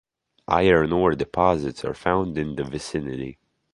Iron ore deposits are found in the vicinity.